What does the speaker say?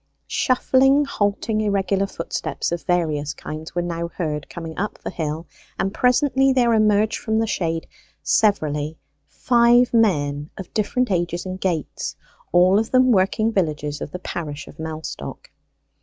Shuffling, halting, irregular footsteps of various kinds were now heard coming up the hill, and presently there emerged from the shade severally five men of different ages and gaits, all of them working villagers of the parish of Mellstock.